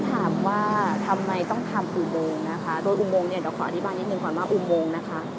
ถ้าถามทำไมต้องทำอุงโมงโดยอุงโมงเนี่ยเดี๋ยวขออธิบายนิดนึงนะค่ะ